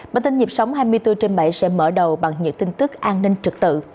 bản tin nhịp sống hai mươi bốn trên bảy sẽ mở đầu bằng những tin tức an ninh trực tự